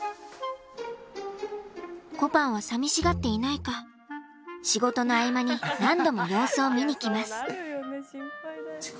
こぱんは寂しがっていないか仕事の合間に何度も様子を見に来ます。